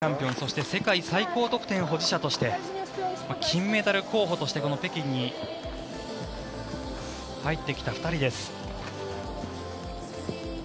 世界チャンピオンそして世界最高得点保持者として金メダル候補としてこの北京に入ってきた２人です。